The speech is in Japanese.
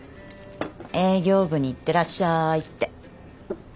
営業部に行ってらっしゃいって。